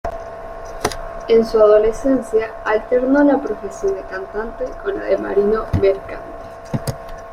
En su adolescencia, alternó la profesión de cantante con la de marino mercante.